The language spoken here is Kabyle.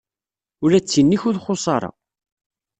Ula d tin-ik ur txuṣṣ ara.